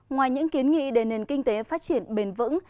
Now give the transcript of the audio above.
ngoài những kiến nghị để nền kinh tế phát triển bền vững